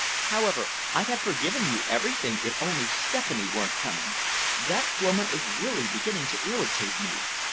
However, I'd have forgiven you everything if only Stephanie weren't coming. That woman is really beginning to irritate me.